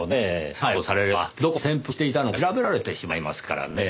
逮捕されればどこに潜伏していたのか調べられてしまいますからねぇ。